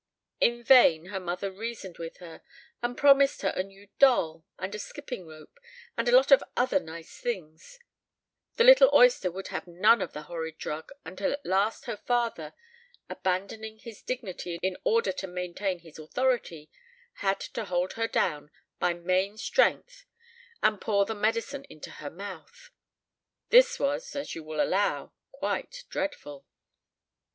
In vain her mother reasoned with her, and promised her a new doll and a skipping rope and a lot of other nice things: the little oyster would have none of the horrid drug; until at last her father, abandoning his dignity in order to maintain his authority, had to hold her down by main strength and pour the medicine into her mouth. This was, as you will allow, quite dreadful.